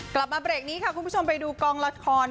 กลับมาเบรกนี้ค่ะคุณผู้ชมไปดูกองละคร